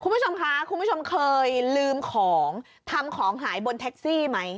คุณผู้ชมคะคุณผู้ชมเคยลืมของทำของหายบนแท็กซี่ไหม